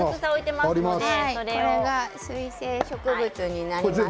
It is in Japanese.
これが水生植物になります。